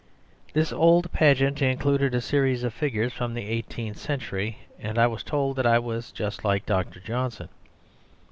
This old pageant included a series of figures from the eighteenth century, and I was told that I was just like Dr. Johnson.